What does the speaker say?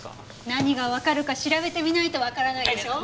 何がわかるか調べてみないとわからないでしょ。